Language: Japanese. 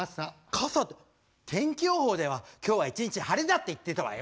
傘って天気予報では今日は一日晴れだって言ってたわよ。